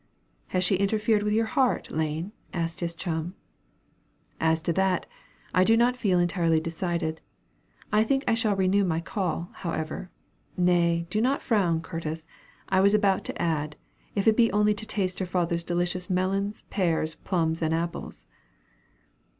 "Has she interfered with your heart, Lane?" asked his chum. "As to that, I do not feel entirely decided. I think I shall renew my call, however nay, do not frown, Curtis; I was about to add, if it be only to taste her father's delicious melons, pears, plums, and apples."